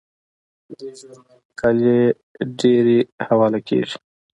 د دې ژورنال مقالې ډیرې حواله کیږي.